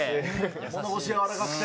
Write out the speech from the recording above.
物腰やわらかくて。